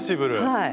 はい。